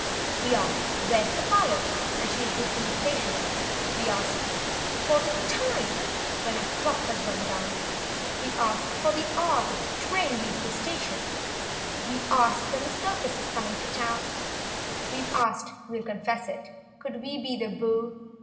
We ask—"Wliere's the fire" and she'll give the location; We ask for the "time" when our clock has run down; We ask for the hour that the train leaves the station ; 191 We ask when the circus is coming to town; We've asked, we'll confess it, could we be the beau—